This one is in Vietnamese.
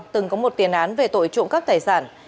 từng có một tiền án về tội trộm cắp tài sản